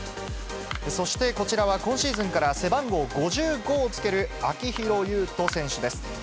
そしてこちらは、今シーズンから背番号５５をつける秋広優人選手です。